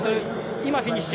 今フィニッシュ。